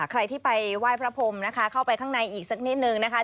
ใครที่ไปไหว้พระพรมนะคะเข้าไปข้างในอีกสักนิดนึงนะคะ